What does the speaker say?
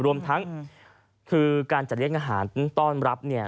รวมทั้งคือการจัดเลี้ยงอาหารต้อนรับเนี่ย